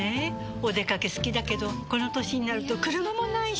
お出かけ好きだけどこの歳になると車もないし。